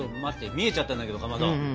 見えちゃったんだけどかまど。